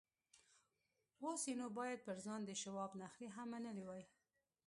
اوس يې نو بايد پر ځان د شواب نخرې هم منلې وای.